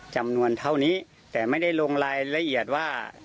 จำนวนเท่านี้แต่ไม่ได้ลงรายละเอียดว่า